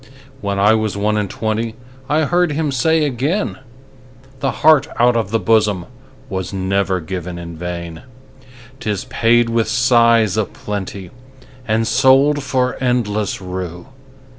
When I was one and twentyI heard him say again,'The heart out of the bosomWas never given in vain;'Tis paid with sighs a plentyAnd sold for endless rue.